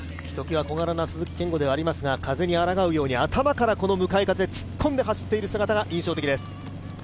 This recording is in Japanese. ひときわ小柄な鈴木健吾でありますが、風にあらがうように頭から向かい風に突っ込んで走っている姿が印象的です。